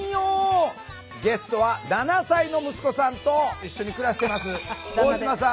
ゲストは７歳の息子さんと一緒に暮らしてます大島さん